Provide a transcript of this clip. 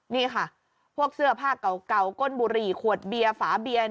นี่ค่ะพวกเสื้อผ้าเก่าก้นบุหรี่ขวดเบียร์ฝาเบียน